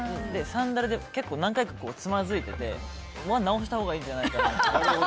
サンダルで結構何回かつまずいててそれは直したほうがいいんじゃないかなって。